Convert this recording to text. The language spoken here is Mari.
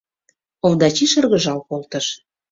Овдачи шыргыжал колтыш.